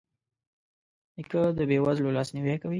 نیکه د بې وزلو لاسنیوی کوي.